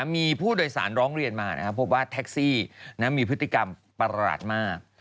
มีผู้โดยสารร้องเรียนมานะครับพบว่าแท็กซี่มีพฤติกรรมประหลาดมาก